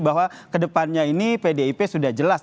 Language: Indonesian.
bahwa kedepannya ini pdip sudah jelas